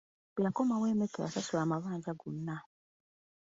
Bwe yakomawo e Mecca yasasula amabanja gonna.